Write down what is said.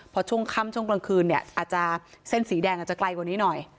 พอช่วงค่ำช่วงกลางคืนเนี่ยอาจจะเส้นสีแดงอาจจะไกลกว่านี้หน่อย